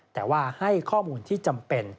แต่ว่าให้ข้อมูลที่จำเป็น